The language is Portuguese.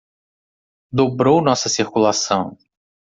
Dobrou nossa circulação.